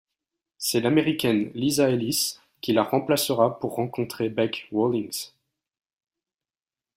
C'est l'Américaine Lisa Ellis qui la remplacera pour rencontrer Bec Rawlings.